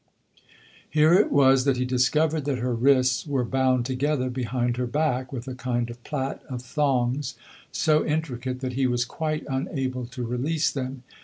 Here it was that he discovered that her wrists were bound together behind her back with a kind of plait of thongs so intricate that he was quite unable to release them.